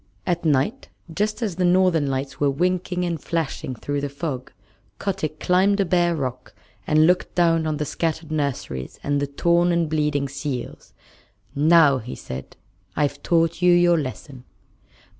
At night, just as the Northern Lights were winking and flashing through the fog, Kotick climbed a bare rock and looked down on the scattered nurseries and the torn and bleeding seals. "Now," he said, "I've taught you your lesson."